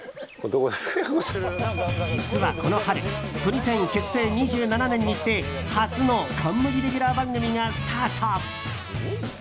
実はこの春トニセン結成２７年にして初の冠レギュラー番組がスタート。